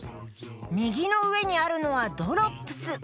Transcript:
みぎのうえにあるのはドロップス。